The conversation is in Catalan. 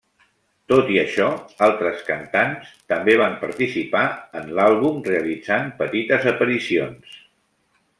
Tot i això, altres cantant també van participar en l'àlbum realitzant petites aparicions.